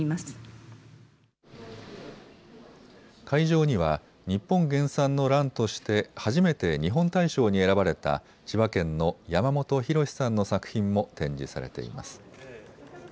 会場には日本原産のらんとして初めて日本大賞に選ばれた千葉県の山本裕之さんの作品も展示されています。